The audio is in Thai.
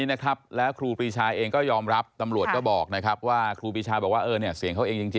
นอกจากนี้เลย